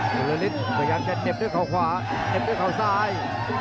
สุรินทร์พยายามจะเก็บด้วยเขาขวาเก็บด้วยเขาซ้าย